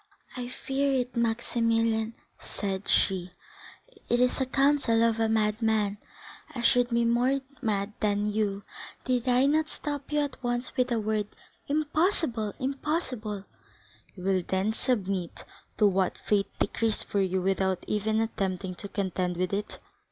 "I feared it, Maximilian," said she; "it is the counsel of a madman, and I should be more mad than you, did I not stop you at once with the word 'Impossible, Morrel, impossible!'" "You will then submit to what fate decrees for you without even attempting to contend with it?"